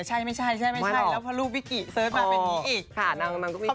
ใช่เมื่อลูกวิกิเสิร์ชมาเป็นนี้อีก